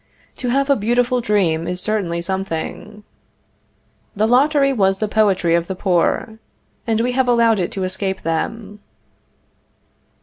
To have a beautiful dream is certainly something. The lottery was the poetry of the poor, and we have allowed it to escape them.